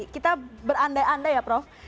kita beranda anda ya